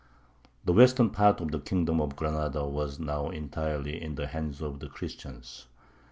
The western part of the kingdom of Granada was now entirely in the hands of the Christians.